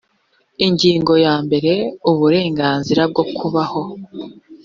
ingingo ya mbere uburenganzira bwo kubaho